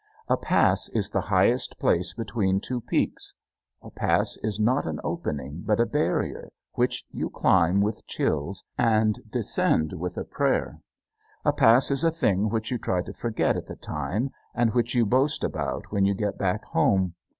A pass is the highest place between two peaks. A pass is not an opening, but a barrier which you climb with chills and descend with prayer. A pass is a thing which you try to forget at the time and which you boast about when you get back home.